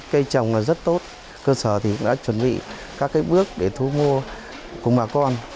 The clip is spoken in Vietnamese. cây trồng rất tốt cơ sở đã chuẩn bị các bước để thu mua cùng bà con